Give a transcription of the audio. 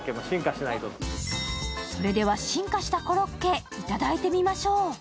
それでは進化したコロッケ、いただいてみましょう。